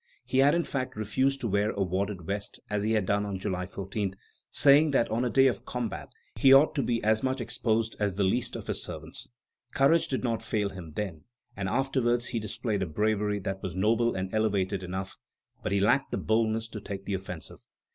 He had, in fact, refused to wear a wadded vest, as he had done on July 14, saying that on a day of combat he ought to be as much exposed as the least of his servants. Courage did not fail him then, and afterwards he displayed a bravery that was noble and elevated enough; but he lacked boldness to take the offensive....